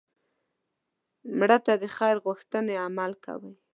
مړه ته د خیر غوښتنه عمل دی